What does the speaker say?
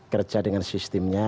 kerja dengan sistemnya